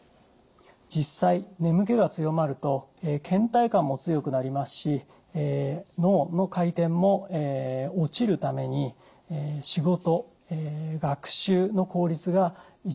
実際眠気が強まるとけん怠感も強くなりますし脳の回転も落ちるために仕事学習の効率が著しく落ちます。